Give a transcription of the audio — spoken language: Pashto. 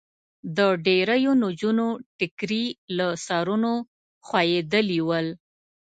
د ډېریو نجونو ټیکري له سرونو خوېدلي ول.